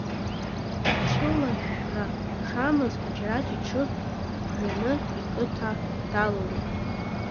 Ацәылашәшәра шамаз Ҳаџьараҭ иҽы хәжәаны иқыҭа далалеит.